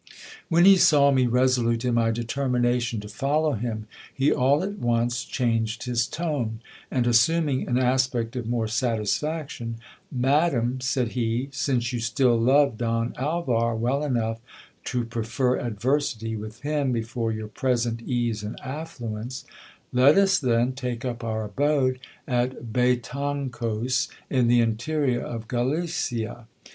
When he saw me resolute in my determination to follow him, he all at once changed his tone ; and assuming an aspect of more satisfaction, Madam, said he, since you still love Don Alvar well enough to prefer adversity with him before your present ease and afflu ence, let us then take up our abode at Betancos, in the interior of Galicia.